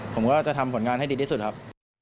ผมก็จะทำผลงานให้ดีที่สุดครับ